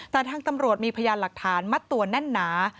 แต่ทางตำรวจมีพยานหลักฐานมัดตัวแน่นหนา